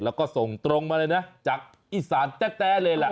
แล้วก็ส่งตรงมาเลยนะจากอีสานแต๊ะเลยแหละ